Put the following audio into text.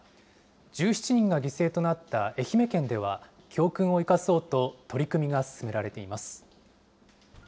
１７人が犠牲となった愛媛県では、教訓を生かそうと取り組みが進められています。